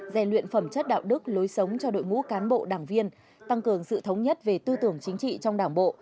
rèn luyện phẩm chất đạo đức lối sống cho đội ngũ cán bộ đảng viên tăng cường sự thống nhất về tư tưởng chính trị trong đảng bộ